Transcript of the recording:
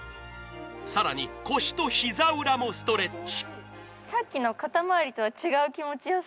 更に腰と膝裏もストレッチ。